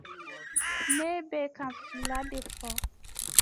N bɛ kan fila de fɔ.